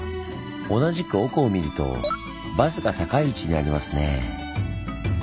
同じく奥を見るとバスが高い位置にありますねぇ。